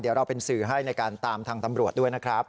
เดี๋ยวเราเป็นสื่อให้ในการตามทางตำรวจด้วยนะครับ